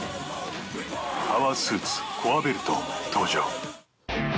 パワースーツコアベルト登場。